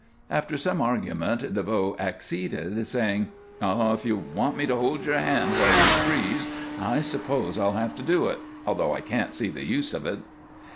After some argument DeVoe acceded, saying, "Oh, if you want me to hold your hand while you freeze I suppose I'll have to do it, although I can't see the use of it."